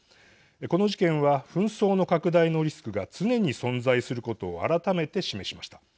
この事件は紛争の拡大のリスクが常に存在することを改めて示しました。